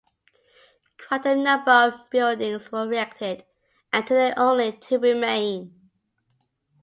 Quite a number of buildings were erected, and today only two remain.